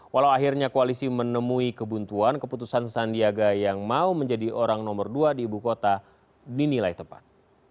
walau akhirnya koalisi menemui kebuntuan keputusan sandiaga yang mau menjadi orang nomor dua di ibu kota dinilai tepat